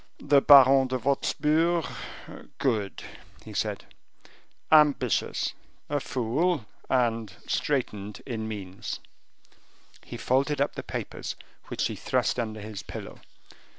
"The Baron de Wostpur? Good!" he said; "ambitious, a fool, and straitened in means." He folded up the papers, which he thrust under his pillow.